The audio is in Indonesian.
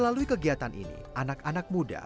melalui kegiatan ini anak anak muda